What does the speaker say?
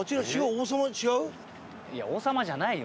王様じゃないよ